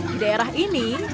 di daerah ini